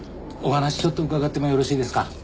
お話ちょっと伺ってもよろしいですか？